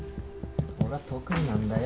俺は得意なんだよ